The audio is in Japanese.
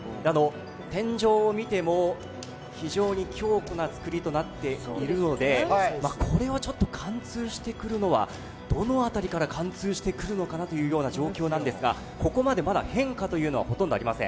天井を見ても非常に強固な造りとなっているのでこれはちょっと貫通してくるのはどのあたりから貫通してくるのかなという状況なんですがここまでまだ変化はほとんどありません。